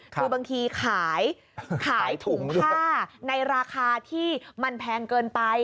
คือบางทีขายถุงผ้าในราคาที่มันแพงเกินไป